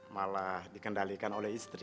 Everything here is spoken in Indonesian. malah dikendalikan oleh istri